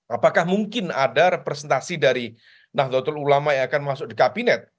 apakah mungkin ada representasi dari nahdlatul ulama yang akan masuk di kabinet